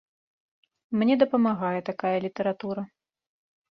Мне дапамагае такая літаратура.